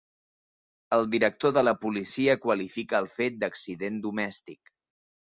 El director de la policia qualifica el fet d'accident domèstic.